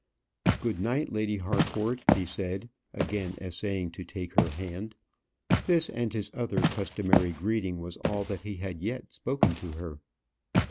"Good night, Lady Harcourt," he said, again essaying to take her hand. This and his other customary greeting was all that he had yet spoken to her.